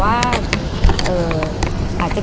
ภาษาสนิทยาลัยสุดท้าย